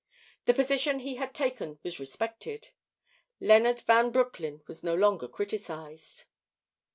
The position he had taken was respected. Leonard Van Broecklyn was no longer criticized.